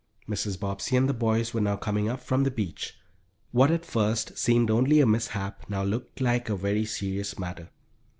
Mrs. Bobbsey and the boys were now coming up from the beach. What, at first, seemed only a mishap, now looked like a very serious matter.